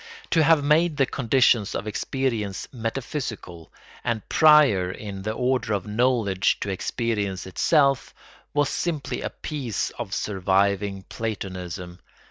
To have made the conditions of experience metaphysical, and prior in the order of knowledge to experience itself, was simply a piece of surviving Platonism.